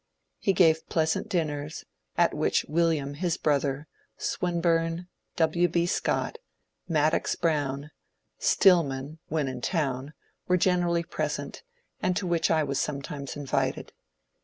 He gave plea sant dinners, at which William his brother, Swinburne, W. B. Scott, Madox Brown, Stillman (when in town) were generally present, and to which I was sometimes invited.